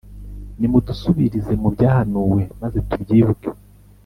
Nimudusubirire mu byahanuwe, maze tubyibuke,